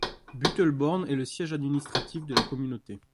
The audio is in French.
Büttelborn est le siège administratif de la communauté.